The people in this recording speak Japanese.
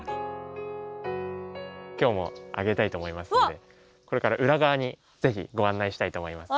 今日もあげたいと思いますのでこれから裏側にぜびご案内したいと思います。